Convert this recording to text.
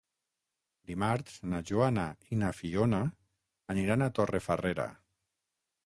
Dimarts na Joana i na Fiona aniran a Torrefarrera.